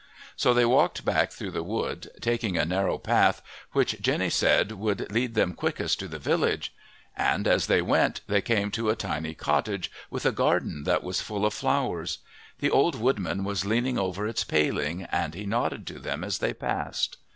So they walked back through the wood, taking a narrow path which Jenny said would lead them quickest to the village. And, as they went, they came to a tiny cottage, with a garden that was full of flowers. The old woodman was leaning over its paling, and he nodded to them as they passed.